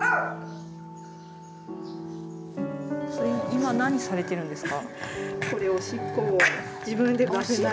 今何されてるんですか？